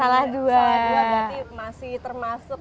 salah dua dua berarti masih termasuk